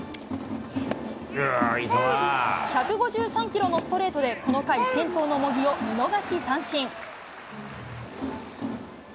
１５３キロのストレートで、この回、先頭の茂木を見逃し三振。